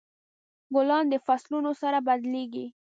ګلان د فصلونو سره بدلیږي.